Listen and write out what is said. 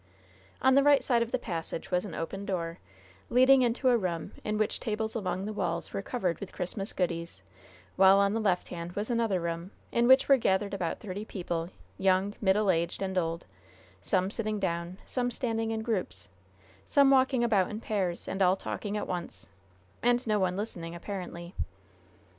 On the right side of the passage was an open door, leading into a room in which tables along the walls were covered with Christmas goodies; while on the left hand was another room, in which were gathered about thirty people, young, middle aged and old some sitting down, some standing in groups, some walking about in pairs, and all talking at once, and no one listening, apparently.